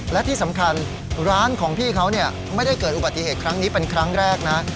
และที่สำคัญร้านของพี่เขาไม่ได้เกิดอุบัติเหตุครั้งนี้เป็นครั้งแรกนะ